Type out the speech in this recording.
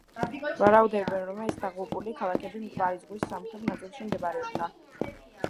ვარაუდობენ, რომ ეს დაღუპული ქალაქები მკვდარი ზღვის სამხრეთ ნაწილში მდებარეობდა.